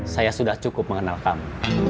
saya sudah cukup mengenal kamu